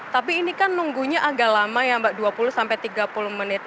tapi ini kan nunggunya agak lama ya mbak dua puluh sampai tiga puluh menit